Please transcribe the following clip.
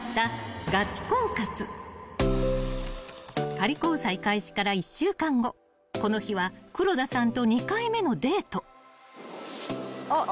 ［仮交際開始から１週間後この日は黒田さんと２回目のデート］